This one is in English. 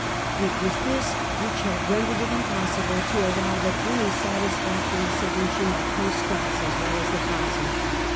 It was this which had rendered it impos sible to arrive at any satisfactory solution at Constance as well as at Basle.